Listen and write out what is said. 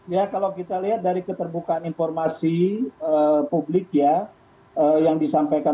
ya kalau kita lihat dari keterbukaan informasi publik ya yang disampaikan